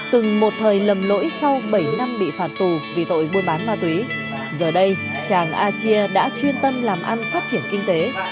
từng một thời lầm lỗi sau bảy năm bị phạt tù vì tội buôn bán ma túy giờ đây tràng a chia đã chuyên tâm làm ăn phát triển kinh tế